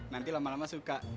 nanti lama lama suka